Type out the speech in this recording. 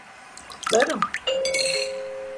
Kutlarım.